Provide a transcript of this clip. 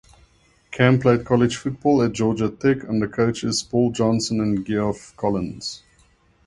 Camp played college football at Georgia Tech under coaches Paul Johnson and Geoff Collins.